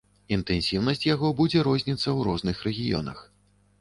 Інтэнсіўнасць яго будзе розніцца ў розных рэгіёнах.